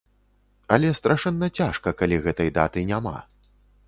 Але страшэнна, цяжка, калі гэтай даты няма.